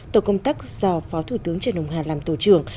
tổ công tác do phó thủ tướng trần hùng hà làm tổ trưởng